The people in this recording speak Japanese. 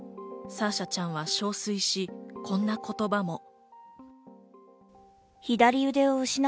サーシャちゃんは憔悴し、こんな言葉も。